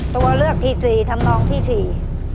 ตัวเลือกที่๔ถำนองที่๔